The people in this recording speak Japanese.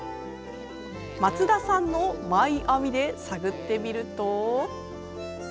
松田さんのマイアミで探ってみると。